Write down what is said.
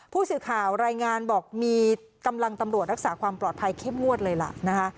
ผู้สื่อข่าวรายงานบอกมีกำลังตำรวจรักษาความปลอดภัยเข้มงวดเลยล่ะนะคะ